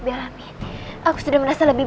dimas duduklah disitu